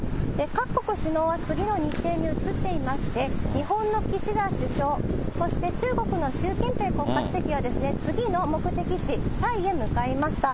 各国首脳は次の日程に移っていまして、日本の岸田首相、そして中国の習近平国家主席は、次の目的地、タイへ向かいました。